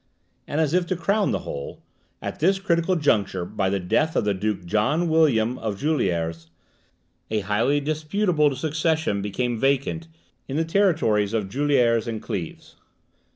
And, as if to crown the whole, at this critical conjuncture by the death of the Duke John William of Juliers, a highly disputable succession became vacant in the territories of Juliers and Cleves.